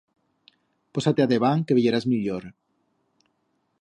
Posa-te adebant que veyerás millor.